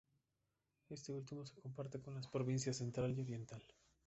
Este último se comparte con las provincias Central y Oriental.